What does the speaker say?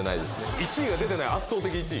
１位が出てない圧倒的１位。